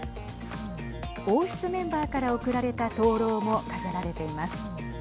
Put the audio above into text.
王室メンバーから贈られた灯籠も飾られています。